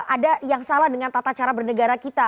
ada yang salah dengan tata cara bernegara kita